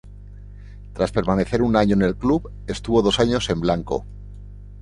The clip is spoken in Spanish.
Tras permanecer un año en el club, estuvo dos años en blanco.